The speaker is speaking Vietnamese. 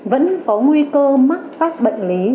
vẫn có nguy cơ mắc các bệnh lý